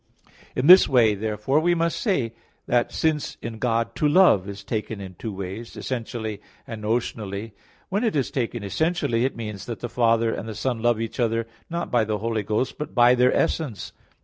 In this way, therefore, we must say that since in God "to love" is taken in two ways, essentially and notionally, when it is taken essentially, it means that the Father and the Son love each other not by the Holy Ghost, but by their essence.